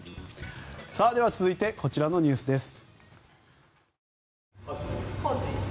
では、続いてこちらのニュースです。